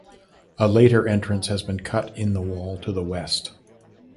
A later entrance has been cut in the wall to the west.